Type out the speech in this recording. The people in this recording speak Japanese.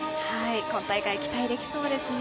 今大会期待できそうですね。